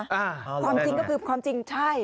ความจริงก็คือความจริงใช่